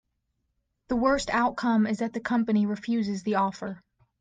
The worst outcome is that the company refuses the offer.